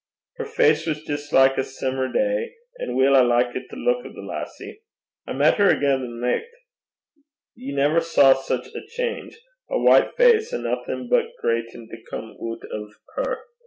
Her face was jist like a simmer day, an' weel I likit the luik o' the lassie! I met her again the nicht. Ye never saw sic a change. A white face, an' nothing but greitin' to come oot o' her.